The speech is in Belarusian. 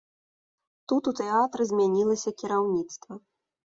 Тут у тэатры змянілася кіраўніцтва.